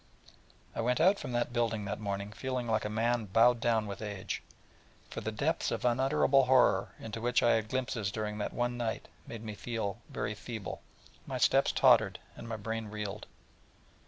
I went out from that building that morning feeling like a man bowed down with age, for the depths of unutterable horror into which I had had glimpses during that one night made me very feeble, and my steps tottered, and my brain reeled.